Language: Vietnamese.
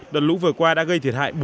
đợt lũ vừa qua đã gây thiệt hại